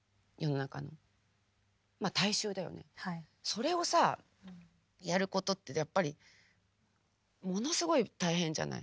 それをさやることってやっぱりものすごい大変じゃない？